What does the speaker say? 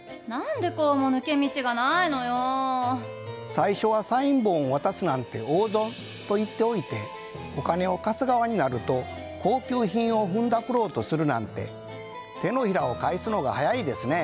最初はサイン本を渡すなんて大損と言っておいてお金を貸す側になると高級品をふんだくろうとするなんて手のひらを返すのが早いですね。